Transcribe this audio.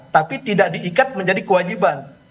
tapi tidak diikat menjadi kewajiban